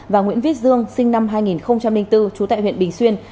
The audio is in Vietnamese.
và nguyễn viết dương sinh năm hai nghìn bốn trú tại huyện bình xuyên